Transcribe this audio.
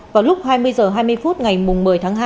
vào lúc hai mươi h hai mươi phút ngày một mươi tháng hai